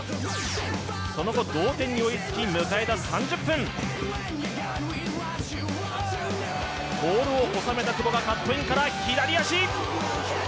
その後同点に追いつき迎えた３０分、ボールを収めた久保がカットインから左足。